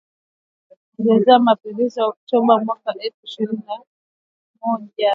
kuongoza mapinduzi ya Oktoba mwaka elfu mbili na ishirini na moja